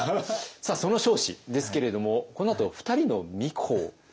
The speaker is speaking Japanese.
さあその彰子ですけれどもこのあと２人の皇子を産みます。